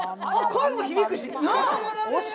声も響くし。